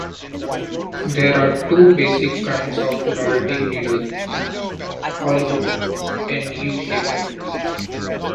There are two basic kinds of larding needle, hollow and U-shaped.